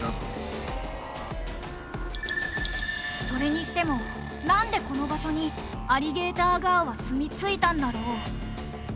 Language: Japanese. それにしてもなんでこの場所にアリゲーターガーはすみ着いたんだろう？